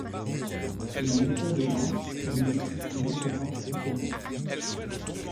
La méthode est lente et nécessite des compétences littéraires.